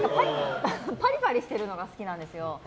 パリパリしてるのが好きなんです。